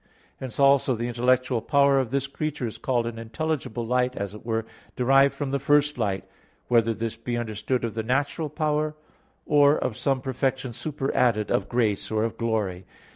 Hence also the intellectual power of the creature is called an intelligible light, as it were, derived from the first light, whether this be understood of the natural power, or of some perfection superadded of grace or of glory.